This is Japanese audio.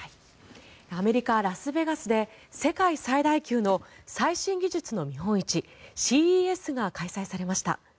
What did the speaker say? アメリカ・ラスベガスで世界最大級の最新技術の見本市ＣＥＳが開催されました。